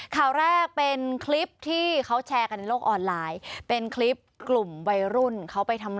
ข่าวแรกเป็นคลิปที่เขาแชร์กันในโลกออนไลน์เป็นคลิปกลุ่มวัยรุ่นเขาไปทำ